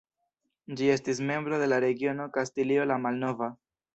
Ĝi estis membro de la regiono Kastilio la Malnova.